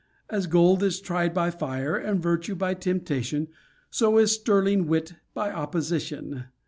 As gold is tried by fire, and virtue by temptation, so is sterling wit by opposition.